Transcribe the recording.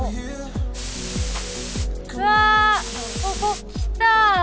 うわー、ここ来た。